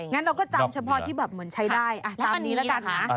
อ๋อมันมีควากน้ำ